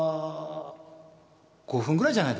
５分ぐらいじゃないですか